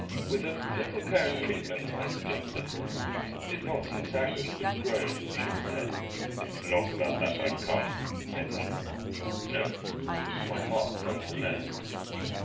"With a little care and treatment " I suggested. He did not seem sanguine, but groaned and shook his head. "It's not about that I've come," said he. "No?" My heart turned to lead.